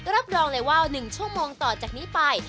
รับรองเลยว่า๑ชั่วโมงต่อจากนี้ไป